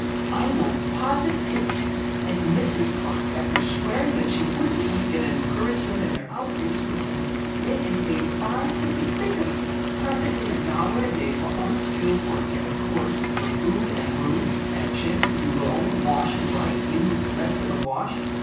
I know positively that Mrs. Clark, after swearing that she wouldn't weaken and encourage them in their outrageous demands, went and paid five fifty think of it! practically a dollar a day for unskilled work and, of course, her food and room and a chance to do her own washing right in with the rest of the wash.